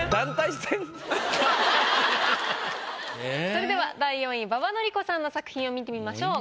それでは第４位馬場典子さんの作品を見てみましょう。